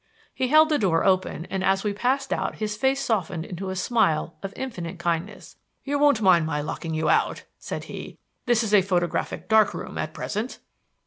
He held the door open and as we passed out his face softened into a smile of infinite kindness. "You won't mind my locking you out," said he; "this is a photographic dark room at present."